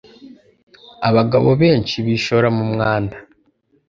abagabo benshi bishora mu mwanda